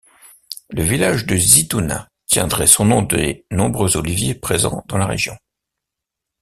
Le village de Zitouna tiendrait son nom des nombreux oliviers présents dans la région.